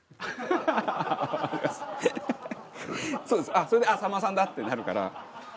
そうですそれでさんまさんだ！ってなるから。